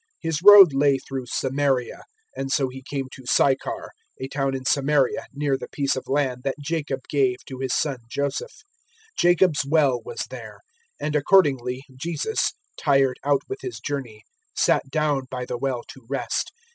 004:004 His road lay through Samaria, 004:005 and so He came to Sychar, a town in Samaria near the piece of land that Jacob gave to his son Joseph. 004:006 Jacob's Well was there: and accordingly Jesus, tired out with His journey, sat down by the well to rest.